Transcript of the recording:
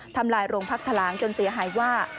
ทำลายโรงพักทะลางจนเสียหายว่า